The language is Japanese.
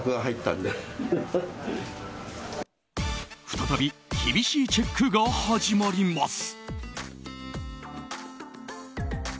再び厳しいチェックが始まります。